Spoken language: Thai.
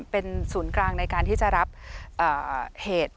เป็นศูนย์กลางในการที่จะรับเหตุ